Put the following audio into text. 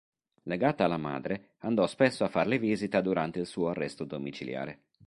Legata alla madre, andò spesso a farle visita durante il suo arresto domiciliare.